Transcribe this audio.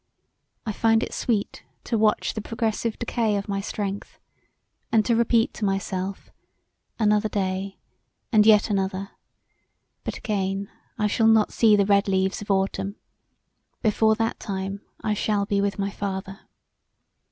I find it sweet to watch the progressive decay of my strength, and to repeat to myself, another day and yet another, but again I shall not see the red leaves of autumn; before that time I shall be with my father.